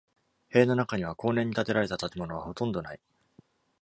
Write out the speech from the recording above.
塀の中には、後年に建てられた建物はほとんどない。